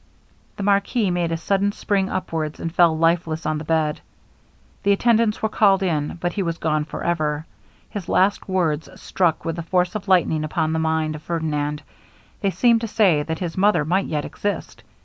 The marquis made a sudden spring upwards, and fell lifeless on the bed; the attendants were called in, but he was gone for ever. His last words struck with the force of lightning upon the mind of Ferdinand; they seemed to say that his mother might yet exist.